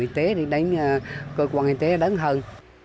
tập y tế đi đến cơ quan y tế đến hân